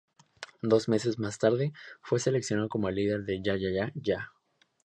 Dos meses más tarde, fue seleccionado como el líder de Ya-Ya-yah.